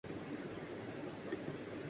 اسی لیے مجھے زیادہ پسند تھے۔